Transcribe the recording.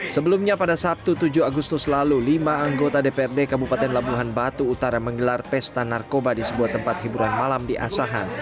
sebelumnya pada sabtu tujuh agustus lalu lima anggota dprd kabupaten labuhan batu utara menggelar pesta narkoba di sebuah tempat hiburan malam di asahan